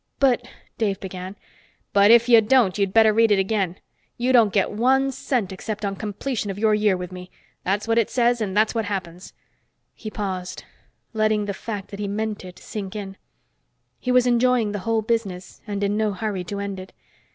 "But " Dave began. "But if you don't, you'd better read it again. You don't get one cent except on completion of your year with me. That's what it says, and that's what happens." He paused, letting the fact that he meant it sink in. He was enjoying the whole business, and in no hurry to end it.